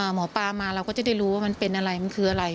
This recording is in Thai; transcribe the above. หมอปลามาเราก็จะได้รู้ว่ามันเป็นอะไรมันคืออะไร